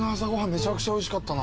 めちゃくちゃおいしかったな。